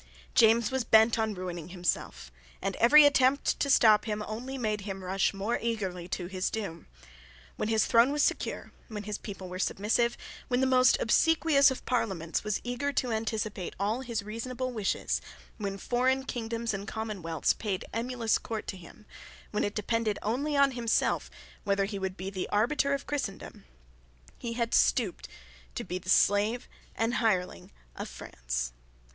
James was bent on ruining himself; and every attempt to stop him only made him rush more eagerly to his doom. When his throne was secure, when his people were submissive, when the most obsequious of Parliaments was eager to anticipate all his reasonable wishes, when foreign kingdoms and commonwealths paid emulous court to him, when it depended only on himself whether he would be the arbiter of Christendom, he had stooped to be the slave and the hireling of France.